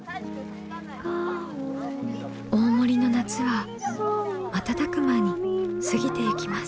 大森の夏は瞬く間に過ぎてゆきます。